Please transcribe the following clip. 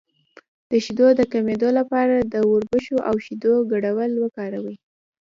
د شیدو د کمیدو لپاره د وربشو او شیدو ګډول وکاروئ